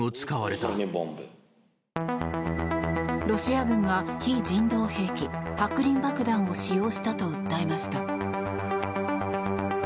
ロシア軍が非人道兵器白リン爆弾を使用したと訴えました。